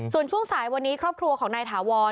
ส่วนช่วงสายวันนี้ครอบครัวของนายถาวร